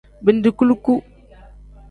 Bindi kuluku.